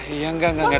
iya enggak enggak enggak